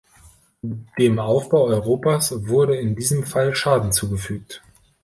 Dem Aufbau Europas wurde in diesem Fall Schaden zugefügt.